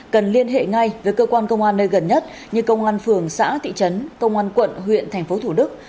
cần liên hệ ngay với cơ quan công an nơi gần nhất như công an phường xã thị trấn công an quận huyện thành phố thủ đức